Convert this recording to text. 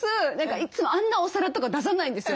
いつもあんなお皿とか出さないんですよ。